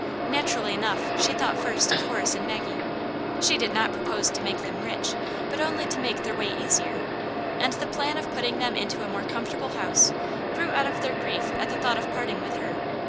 Naturally enough, she thought first of Horace and Maggie. She did not propose to make them rich, but only to make their way easier. And the plan of putting them into a more comfortable house, grew out of their grief at the thought of parting with her.